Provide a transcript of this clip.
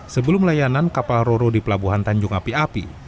sebelum layanan kapal roro di pelabuhan tanjung api api